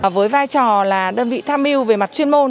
với vai trò là đơn vị tham mưu về mặt chuyên môn